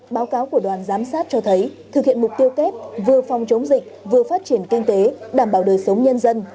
báo cáo của đoàn giám sát cho thấy thực hiện mục tiêu kép vừa phòng chống dịch vừa phát triển kinh tế đảm bảo đời sống nhân dân